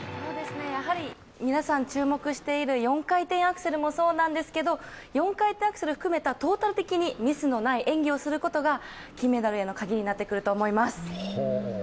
やはり皆さん注目している４回転アクセルもそうなんですけど４回転アクセル含めたトータル的にミスのない演技をすることが金メダルへのカギになってくると思います。